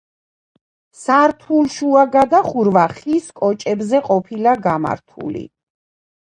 სართულშუა გადახურვა ხის კოჭებზე ყოფილა გამართული.